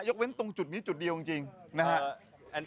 ยกเว้นตรงจุดนี้จุดเดียวจริงนะฮะ